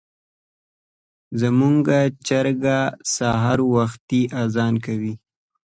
زموږ چرګه سهار وختي اذان کوي.